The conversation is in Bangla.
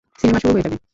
সিনেমা শুরু হয়ে যাবে।